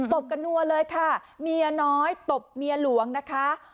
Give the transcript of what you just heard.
ตบกันนัวเลยค่ะเมียน้อยตบเมียหลวงนะคะ